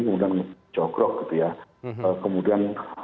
kemudian jokrok gitu ya